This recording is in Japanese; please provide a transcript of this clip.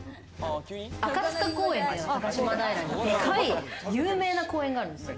赤塚公園というのが、高島平にデカい有名な公園があるんですよ。